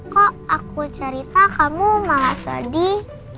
kok aku cerita kamu malah sedih